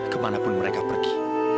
kemanapun mereka pergi